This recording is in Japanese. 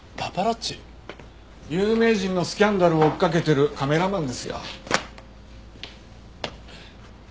有名人のスキャンダルを追っかけてるカメラマンですよ。